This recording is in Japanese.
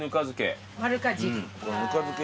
ぬか漬け